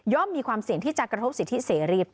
มีความเสี่ยงที่จะกระทบสิทธิเสรี